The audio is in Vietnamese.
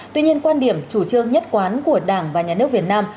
tuy nhiên quan điểm chủ trương nhất quán của đảng và nhà nước việt nam